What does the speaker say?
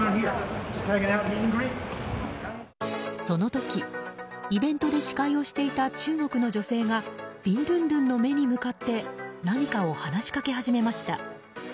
その時、イベントで司会をしていた中国の女性がビンドゥンドゥンの目に向かって何かを話しかけ始めました。